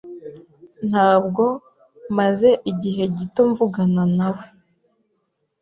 Ntabwo maze igihe gito mvugana nawe.